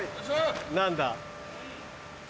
何だ？